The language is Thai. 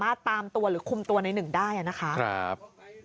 พ่อออกมามอบตัวเถอะลูกน่ะร้องไห้คุณผู้ชม